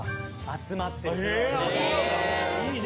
いいね。